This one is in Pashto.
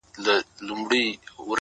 • دا ستا د سترگو په كتاب كي گراني ـ